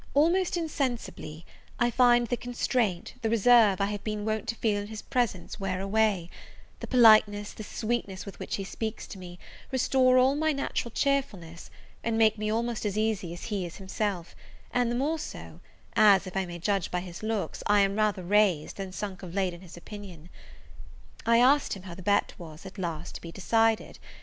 Almost insensibly, I find the constraint, the reserve, I have been wont to feel in his presence, wear away; the politeness, the sweetness, with which he speaks to me, restore all my natural cheerfulness, and make me almost as easy as he is himself; and the more so, as, if I may judge by his looks, I am rather raised, than sunk of late in his opinion. I asked him how the bet was, at last, to be decided?